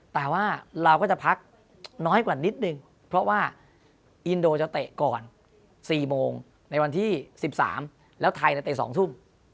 แต่ว่าเราก็จะพักน้อยกว่านิดนึงเพราะว่าอินโดจะเตะก่อน๔โมงในวันที่๑๓แล้วไทยเตะ๒ทุ่ม